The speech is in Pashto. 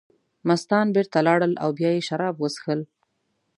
مستان بېرته لاړل او بیا یې شراب وڅښل.